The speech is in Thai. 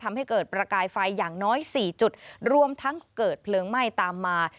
ทำให้เกิดประกายไฟอย่างน้อย๔จุดรวมทั้งเกิดเพลิงไหม้ตามมา